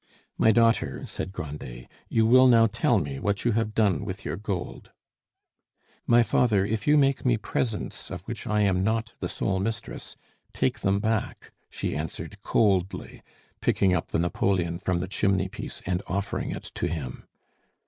"My daughter," said Grandet, "you will now tell me what you have done with your gold." "My father, if you make me presents of which I am not the sole mistress, take them back," she answered coldly, picking up the napoleon from the chimney piece and offering it to him.